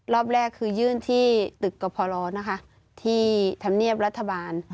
รอบแรกคือยื่นที่ตึกกรพลนะคะที่ธรรมเนียบรัฐบาล